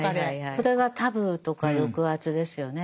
それがタブーとか抑圧ですよね。